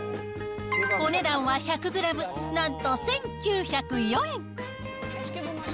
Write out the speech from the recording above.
お値段は１００グラムなんと１９０４円。